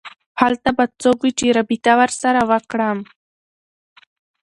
هلته به څوک وي چې رابطه ورسره وکړم